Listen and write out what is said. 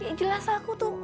ya jelas aku tuh